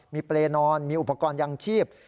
มีเปรย์นอนมีอุปกรณ์ยังชีพ